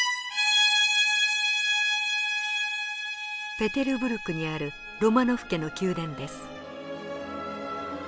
ペテルブルクにあるロマノフ家の宮殿です。